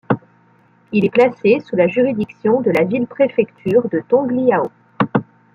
Il est placé sous la juridiction de la ville-préfecture de Tongliao.